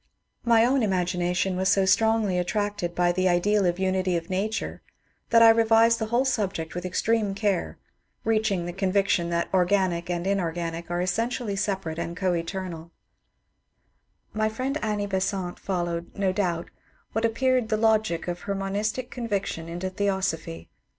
My own imagination was so WOMAN SUFFRAGE AGITATION 291 stroDgly attracted by the ideal unity of nature that I revised the whole subject with extreme care, reaching the conviction that Organic and Inorganic are essentially separate and co etemaL My friend Annie Besant followed, no doubt, what appeared the logic of her monistic conviction into theosophy.